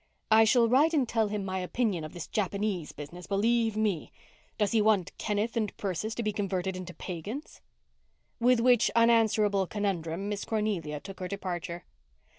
I shall write and tell him my opinion of this Japanese business, believe me. Does he want Kenneth and Persis to be converted into pagans?" With which unanswerable conundrum Miss Cornelia took her departure.